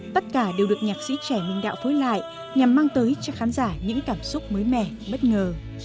tất cả đều được nhạc sĩ trẻ minh đạo phối lại nhằm mang tới cho khán giả những cảm xúc mới mẻ bất ngờ